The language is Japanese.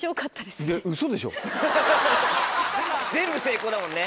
全部成功だもんね